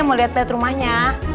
mau liat liat rumahnya